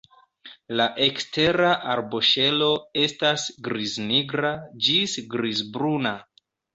La ekstera arboŝelo estas griz-nigra ĝis griz-bruna.